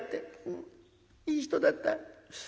うんいい人だった。